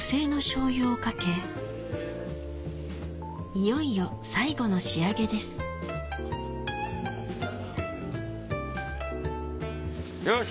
いよいよ最後の仕上げですよし！